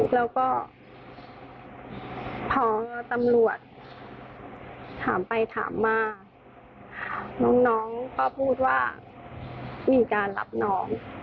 แล้วก็พอตำรวจถามไปถามมาน้องก็พูดว่ามีการรับน้อง